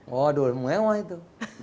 waduh mewah itu